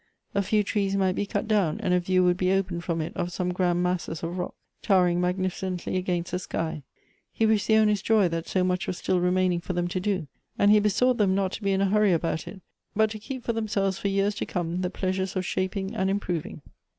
A few trees might be cut down, and a view would be opened from it of some grand masses of rock, towering magnificently against the sky. He wished the owners joy that so much was still remaining for them to do, and he besought them not to be in a hurry about it, but to keep for themselves for years to come the pleasures of shajiing and improving.